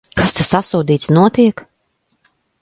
Kas te, sasodīts, notiek?